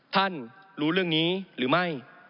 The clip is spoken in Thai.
ท่านรู้เรื่องนี้หรือไม่